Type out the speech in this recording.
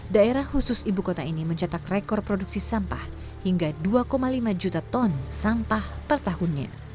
daerah khusus ibu kota ini mencetak rekor produksi sampah hingga dua lima juta ton sampah per tahunnya